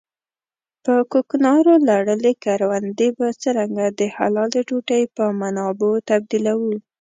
په کوکنارو لړلې کروندې به څرنګه د حلالې ډوډۍ په منابعو تبديلوو.